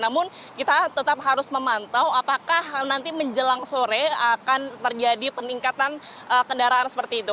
namun kita tetap harus memantau apakah nanti menjelang sore akan terjadi peningkatan kendaraan seperti itu